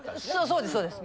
そうですそうです。